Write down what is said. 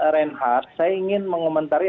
reinhardt saya ingin mengomentari